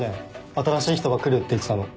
新しい人が来るって言ってたの。